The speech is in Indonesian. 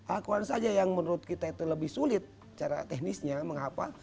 al quran saja yang menurut kita itu lebih sulit cara teknisnya mengapa